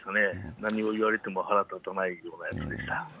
何を言われても腹立たないようなやつでした。